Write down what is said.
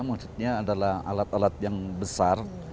maksudnya adalah alat alat yang besar